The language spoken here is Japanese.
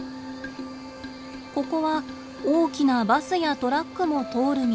ここは大きなバスやトラックも通る道。